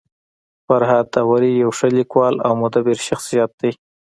فرهاد داوري يو ښه لیکوال او مدبر شخصيت دی.